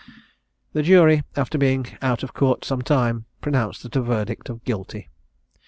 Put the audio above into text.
The jury, after being out of court some time, pronounced a verdict of "guilty."